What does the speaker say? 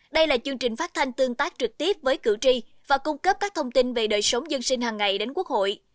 đây là chương trình phát thanh tương tác trực tiếp với cử tri và cung cấp các thông tin về đời sống dân sinh hàng ngày đến quốc hội